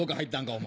お前。